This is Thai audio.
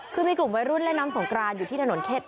คือมีกลุ่มวัยรุ่นเล่นน้ำสงกรานอยู่ที่ถนนเข็ด